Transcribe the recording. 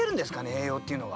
栄養っていうのが。